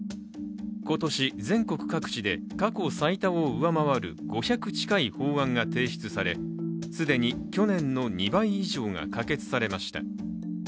今年、全国各地で過去最多を上回る５００近い法案が提出され既に去年の２倍以上が可決されました。